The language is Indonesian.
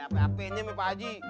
apa apenya pak waji